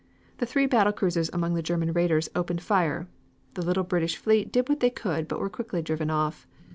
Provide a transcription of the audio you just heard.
The three battle cruisers among the German raiders opened fire. The little British fleet did what they could but were quickly driven off.